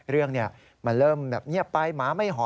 เรื่องมันเริ่มแบบเงียบไปหมาไม่หอ